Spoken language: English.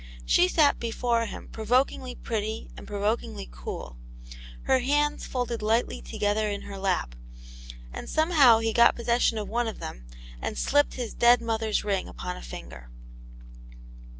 She sat before him provokingly pretty and provokingly cool, her hands folded lightly together in her lap, and somehow he got possession of one of them, and slipped his dead mother's ring upon a finger.